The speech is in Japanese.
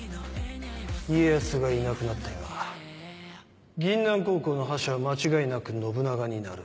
家康がいなくなった今銀杏高校の覇者は間違いなく信長になる。